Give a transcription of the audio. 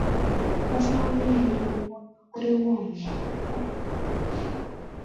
Asame ale okonon korenwang kwak